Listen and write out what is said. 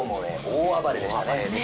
大暴れでしたね。